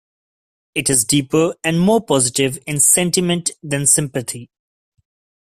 It is deeper and more positive in sentiment than sympathy.